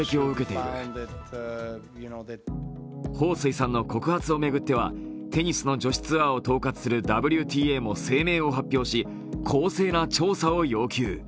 彭帥さんの告発を巡ってはテニスの女子ツアーを統括するＷＴＡも声明を発表し公正な調査を要求。